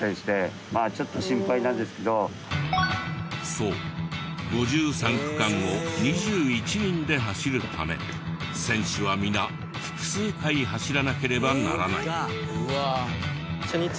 そう５３区間を２１人で走るため選手は皆複数回走らなければならない。